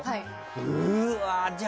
うーわじゃあ